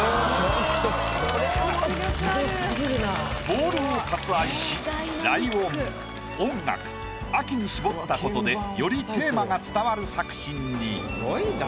ボールを割愛しライオン音楽秋に絞ったことでよりテーマが伝わる作品に。